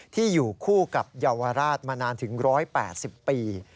ที่อยู่คู่กับเยาวราชมานานถึง๑๘๐ปี